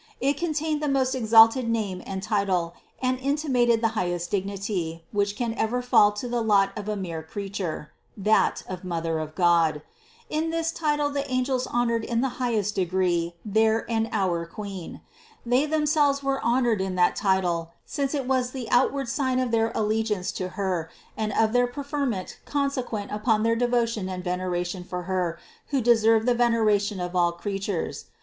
It contained the most exalted name and title, and inti mated the highest dignity, which ever can fall to the lot of a mere creature : that of Mother of God. In this title the angels honored in the highest degree their and our Queen. They themselves were honored in that title, since it was the outward sign of their allegiance to Her and of their preferment consequent upon their devotion and veneration for Her who deserved the veneration of all creatures.